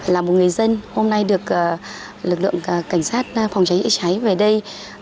là một người dân hôm nay được lực lượng cảnh sát phòng cháy chữa cháy về đây